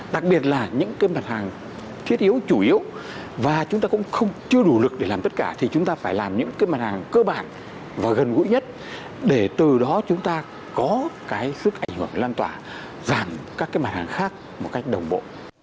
đặc biệt là những cái mặt hàng thiết yếu chủ yếu và chúng ta cũng chưa đủ lực để làm tất cả thì chúng ta phải làm những cái mặt hàng cơ bản và gần gũi nhất để từ đó chúng ta có cái sức ảnh hưởng lan tỏa giảm các cái mặt hàng khác một cách đồng bộ